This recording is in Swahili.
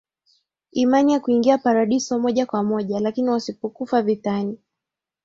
imani na kuingia Paradiso moja kwa moja Lakini wasipokufa vitani